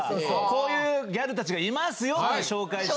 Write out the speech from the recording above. こういうギャルたちがいますよと紹介して。